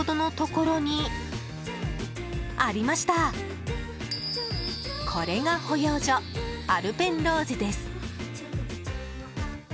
これが保養所アルペンローゼです。